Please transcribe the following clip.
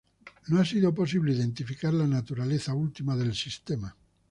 No ha sido posible identificar la naturaleza última del sistema.